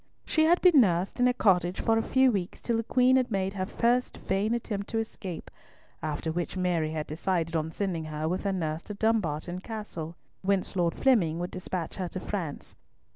She had been nursed in a cottage for a few weeks till the Queen had made her first vain attempt to escape, after which Mary had decided on sending her with her nurse to Dumbarton Castle, whence Lord Flemyng would despatch her to France.